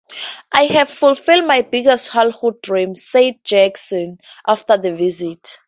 "I have fulfilled my biggest childhood dream", said Jackson after the visit.